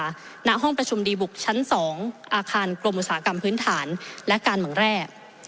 หน้าห้องประชุมดีบุกชั้น๒อาคารกรมอุตสาหกรรมพื้นฐานและการเมืองแร่